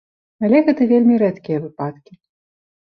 Але гэта вельмі рэдкія выпадкі.